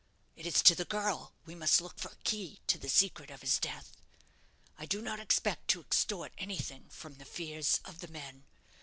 It is to the girl we must look for a key to the secret of his death. I do not expect to extort anything from the fears of the men.